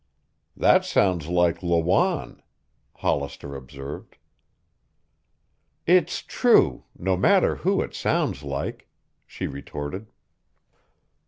"That sounds like Lawanne," Hollister observed. "It's true, no matter who it sounds like," she retorted.